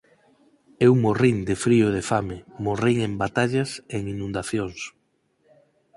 Eu morrín de frío e de fame, morrín en batallas e en inundacións.